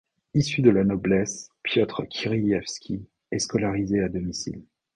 Issu de la noblesse, Piotr Kireïevski est scolarisé à domicile.